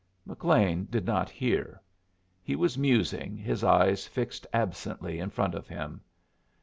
McLean did not hear. He was musing, his eyes fixed absently in front of him.